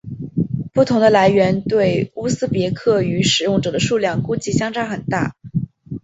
不同的来源对乌兹别克语使用者的数量估计相差较大。